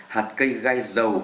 hạt cây gai dầu